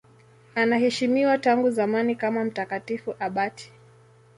Anaheshimiwa tangu zamani kama mtakatifu abati.